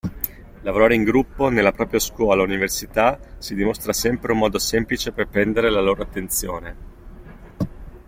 Lavorare in gruppo nella propria scuola o università si dimostra sempre un modo semplice per prendere la loro attenzione.